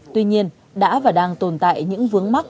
tuy nhiên đã và đang tồn tại những vướng mắt